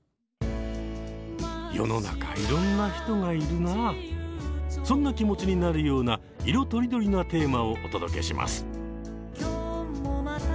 世の中そんな気持ちになるような色とりどりなテーマをお届けします。